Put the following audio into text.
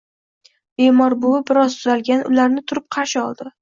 Bemor buvi biroz tuzalgan, ularni turib qarshi oldi: